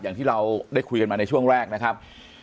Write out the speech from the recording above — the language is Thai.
อย่างที่เราได้คุยกันมาในช่วงแรกนะครับ